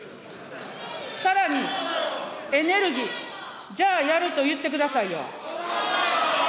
さらにエネルギー、じゃあやると言ってくださいよ。